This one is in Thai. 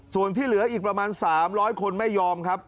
ส่วนที่เหลืออีกประมาณ๓๐๐คนไม่ยอมครับ